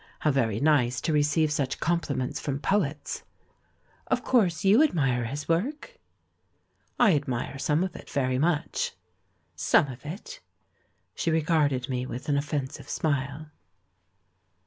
How very nice to receive such compliments from poets!" "Of course you admire his work?" "I admire some of it very much." "Some of it?" She regarded me with an of fensive smile.